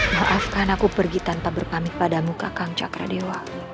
maafkan aku pergi tanpa berpamit pada muka kang cakra dewa